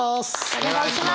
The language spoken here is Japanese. お願いします！